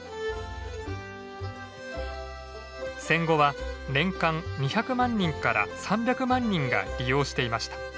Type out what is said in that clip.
戦後は年間２００万人から３００万人が利用していました。